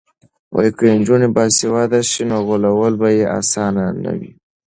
که نجونې باسواده شي نو غولول به یې اسانه نه وي.